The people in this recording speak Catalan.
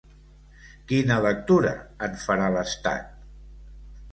Quina lectura en farà l’estat?